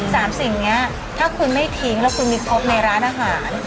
สิ่งนี้ถ้าคุณไม่ทิ้งแล้วคุณมีครบในร้านอาหาร